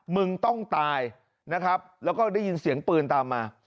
มึงต้องตายนะครับแล้วก็ได้ยินเสียงปืนตามมา